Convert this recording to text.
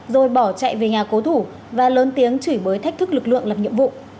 rồi bỏ chạy về nhà cố thủ và lớn tiếng chỉ bới thách thức lực lượng lập nhiệm vụ